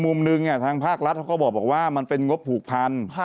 มุมหนึ่งทางภาครัฐเขาก็บอกว่ามันเป็นงบผูกพัน